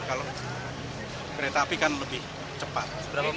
kalau kereta api kan lebih cepat